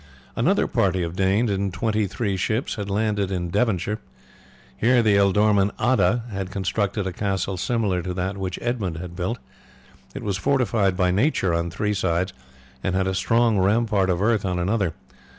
Another party of Danes in twenty three ships had landed in Devonshire. Here the ealdorman Adda had constructed a castle similar to that which Edmund had built. It was fortified by nature on three sides and had a strong rampart of earth on another.